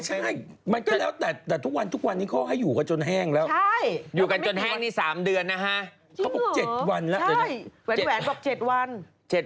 ใช่อยู่กันจนแห้งนี่๓เดือนนะฮะเขาบอก๗วันแล้วใช่แหวนแหวนบอก๗วัน